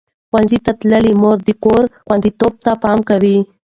ښوونځې تللې مور د کور خوندیتوب ته پام کوي.